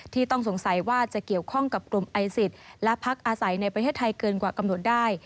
ต้องสงสัยว่าจะเกี่ยวข้องกับกลุ่มไอซิสและพักอาศัยในประเทศไทยเกินกว่ากำหนดได้